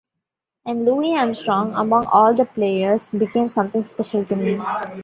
And Louis Armstrong among all the players, became something special to me.